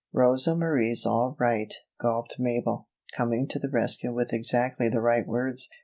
"Rosa Marie's all right," gulped Mabel, coming to the rescue with exactly the right words.